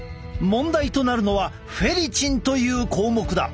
問題となるのはフェリチンという項目だ。